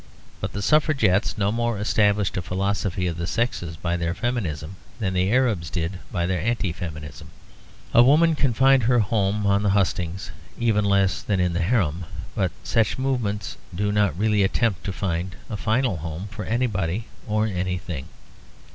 But the Suffragettes no more established a philosophy of the sexes by their feminism than the Arabs did by their anti feminism. A woman can find her home on the hustings even less than in the harem; but such movements do not really attempt to find a final home for anybody or anything.